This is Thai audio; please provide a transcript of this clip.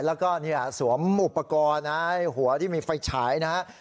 แล้วก็สวมอุปกรณ์หัวที่มีไฟฉาย